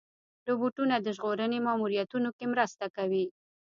روبوټونه د ژغورنې ماموریتونو کې مرسته کوي.